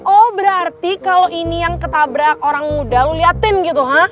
oh berarti kalo ini yang ketabrak orang muda lo liatin gitu hah